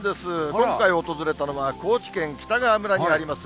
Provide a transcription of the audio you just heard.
今回訪れたのは、高知県北川村にあります